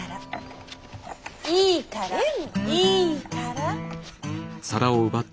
いいから。